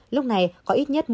lúc này có ít nhất